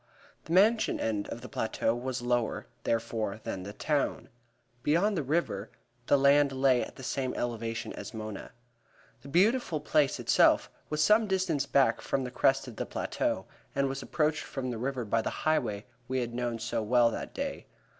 The Mansion end of the plateau was lower, therefore, than the town. Beyond, up the river, the land lay at the same elevation as Mona. The beautiful place itself was some distance back from the crest of the plateau and was approached from the river by the highway we had known so well that day.